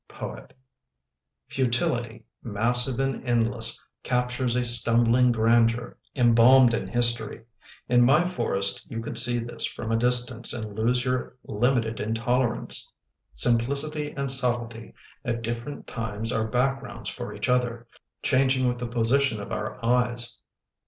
Poet Futility, massive and endless, Captures a stumbling grandeur Embalmed in history. In my forest you could see this From a distance and lose Your limited intolerance. Simplicity and subtlety At different times are backgrounds for each other, Changing with the position of our eyes.